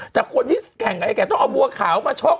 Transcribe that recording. แต่คนที่แข่งกับไอ้แก่ต้องเอาบัวขาวมาชก